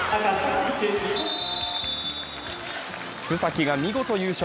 須崎が見事優勝。